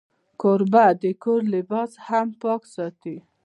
کوربه د کور لباس هم پاک ساتي.